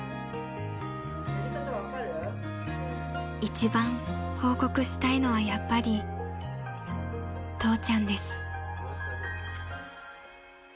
［一番報告したいのはやっぱり父ちゃんです］